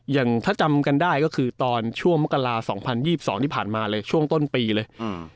อย่างถ้าจำกันได้ก็คือตอนช่วงมกรา๒๐๒๒ที่ผ่านมาเลยช่วงต้นปีเลย